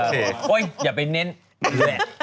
เฮ้ยอย่าไปเน้นนั่น